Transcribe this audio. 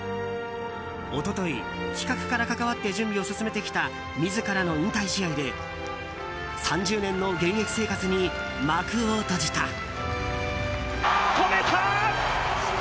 一昨日、企画から関わって準備を進めてきた自らの引退試合で３０年の現役生活に幕を閉じた。